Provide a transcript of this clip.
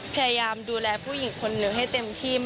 พยายามดูแลผู้หญิงคนหนึ่งให้เต็มที่